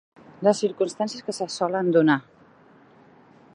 Les circumstàncies que se solen donar.